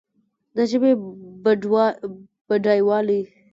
د ژبي بډایوالی د ادب له لارې څرګندیږي.